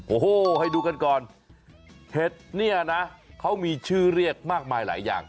โอ้โหให้ดูกันก่อนเห็ดเนี่ยนะเขามีชื่อเรียกมากมายหลายอย่าง